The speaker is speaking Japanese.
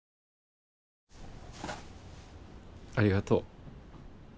ありがとう。